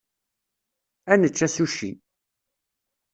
Ad necc asuci.